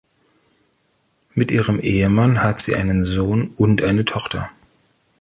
Mit ihrem Ehemann hat sie einen Sohn und eine Tochter.